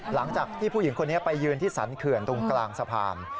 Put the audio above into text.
หลังจากที่ผู้หญิงคนนี้ไปยืนที่สรรเขื่อนตรงกลางสะพาน